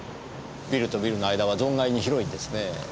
ビルとビルの間は存外に広いんですねぇ。